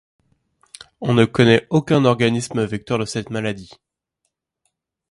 On ne connait aucun organisme vecteur de cette maladie.